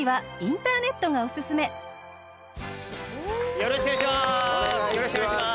よろしくお願いします。